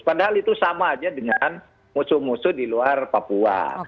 padahal itu sama aja dengan musuh musuh di luar papua